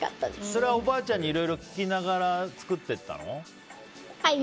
それは、おばあちゃんにいろいろ聞きながらはい。